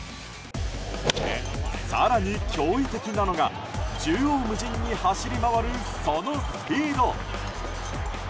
更に驚異的なのは縦横無尽に走り回るそのスピード。